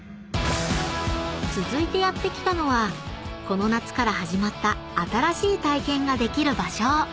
［続いてやって来たのはこの夏から始まった新しい体験ができる場所］